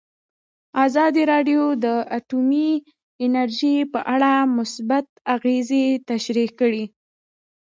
ازادي راډیو د اټومي انرژي په اړه مثبت اغېزې تشریح کړي.